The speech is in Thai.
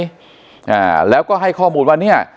อ่าแล้วก็ให้ข้อมูลว่าเนี้ย